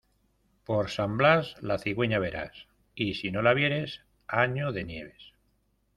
Por San Blas, la cigüeña verás; y si no la vieres año de nieves.